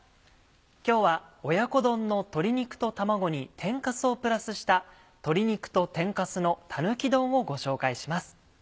今日は親子丼の鶏肉と卵に天かすをプラスした「鶏肉と天かすのたぬき丼」をご紹介します。